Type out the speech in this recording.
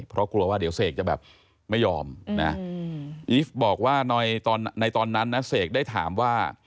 เพราะกลัวว่าเดี๋ยวเสกจะแบบไม่ยอมนะอีฟบอกว่าในตอนนั้นนะเสกได้ถามว่า